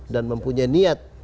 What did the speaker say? dan mempunyai niat